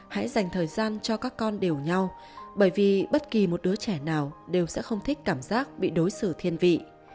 hãy dành thời gian cho các con đều nhau bởi vì bất kỳ một đứa trẻ nào đều sẽ không thích cảm giác bị đối xử thiên vị